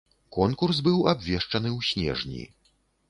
Конкурс быў абвешчаны ў снежні.